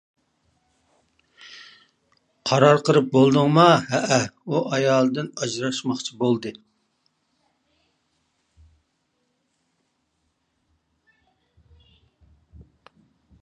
-قارار قىلىپ بولدۇڭما؟ -ھەئە، ئۇ ئايالىدىن ئاجراشماقچى بولدى.